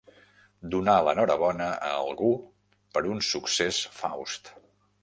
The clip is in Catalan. Donar l'enhorabona a algú per un succés faust.